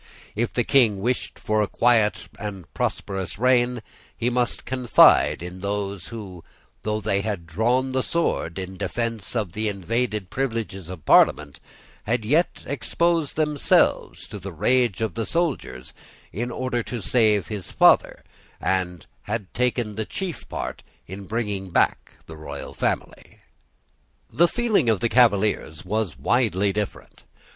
If the King wished for a quiet and prosperous reign, he must confide in those who, though they had drawn the sword in defence of the invaded privileges of Parliament, had yet exposed themselves to the rage of the soldiers in order to save his father, and had taken the chief part in bringing back the royal family. The feeling of the Cavaliers was widely different.